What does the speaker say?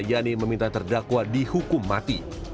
yani meminta terdakwa dihukum mati